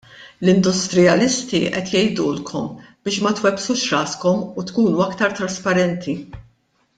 L-industrijalisti qed jgħidulkom biex ma twebbsux raskom u tkunu aktar trasparenti.